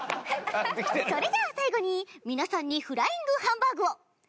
それじゃあ最後に皆さんにフライングハンバーグを。